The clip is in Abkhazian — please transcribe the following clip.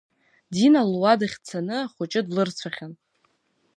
Дина луадахь дцаны ахәыҷы длырцәахьан.